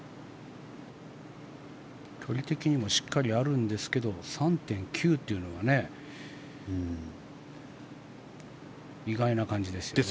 距離的にもしっかりあるんですけど３．９というのが意外な感じです。